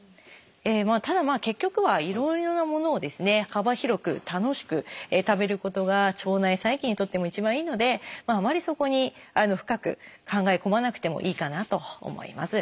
ただまあ結局はいろいろなものを幅広く楽しく食べることが腸内細菌にとっても一番いいのであまりそこに深く考え込まなくてもいいかなと思います。